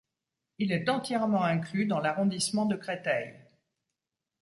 Il est entièrement inclus dans l'arrondissement de Créteil.